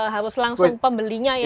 harus langsung pembelinya ya